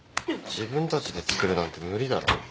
自分たちで作るなんて無理だろ。